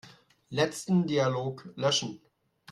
Letzten Dialog löschen.